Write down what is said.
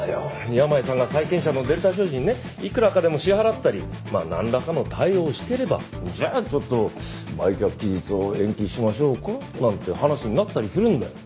山家さんが債権者のデルタ商事にねいくらかでも支払ったりまあなんらかの対応をしてればじゃあちょっと売却期日を延期しましょうかなんて話になったりするんだよ。